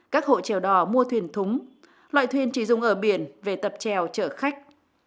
các hộ trèo đò mua thuyền thúng loại thuyền chỉ dùng ở biển về tập trèo trợ khách